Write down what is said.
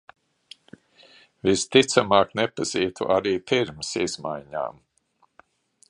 Visticamāk nepazītu arī pirms izmaiņām.